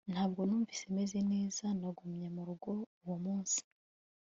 Ntabwo numvise meze neza nagumye murugo uwo munsi